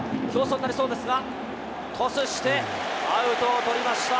になりそうですが、トスしてアウトを取りました。